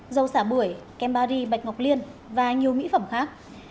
dầu xả bưởi kem barri bạch ngọc liên và nhiều mỹ phẩm khác